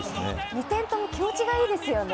２点とも気持ちがいいですよね。